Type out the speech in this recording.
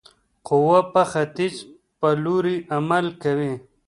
قوه په ختیځ په لوري عمل کوي.